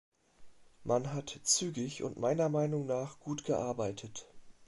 Man hat zügig und meiner Meinung nach gut gearbeitet.